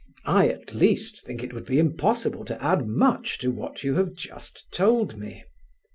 I, at least, think it would be impossible to add much to what you have just told me."